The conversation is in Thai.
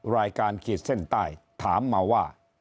รายการขีดเส้นใต้ถามมาว่า